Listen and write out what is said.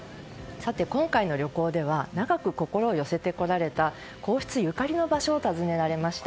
今回の旅行では長く心を寄せてこられた皇室ゆかりの場所を訪ねられました。